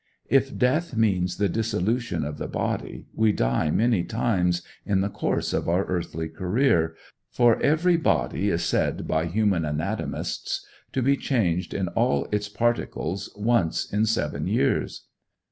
If death means the dissolution of the body, we die many times in the course of our earthly career, for every body is said by human anatomists to be changed in all its particles once in seven years.